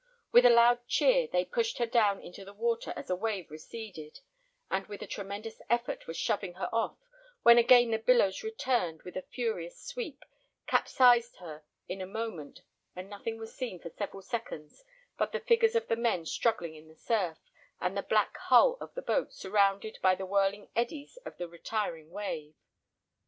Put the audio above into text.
With a loud cheer they pushed her down into the water as a wave receded, and with a tremendous effort were shoving her off, when again the billows returned with a furious sweep, capsized her in a moment, and nothing was seen for several seconds but the figures of the men struggling in the surf, and the black hull of the boat surrounded by the whirling eddies of the retiring wave.